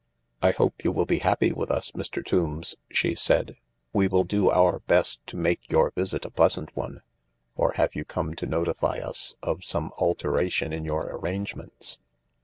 " I hope you will be happy with us, Mr. Tombs," she said ;" we will do our best to make your visit a pleasant one. Or have you come to notify us of some alteration in your arrangements